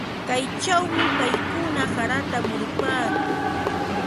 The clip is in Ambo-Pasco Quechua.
Kaychawmi paykuna harata murupaakun.